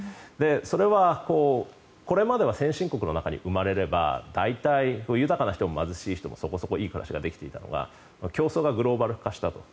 それは、これまでは先進国の中に生まれれば大体、豊かな人も貧しい人もそこそこいい暮らしができていたのが競争がグローバル化したと。